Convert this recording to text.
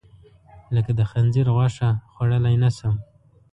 لکه د خنځیر غوښه، خوړلی نه شم.